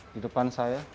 di depan saya